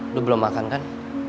lu belum makan kan